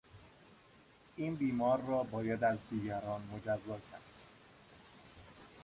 این بیمار را باید از دیگران مجزا کرد.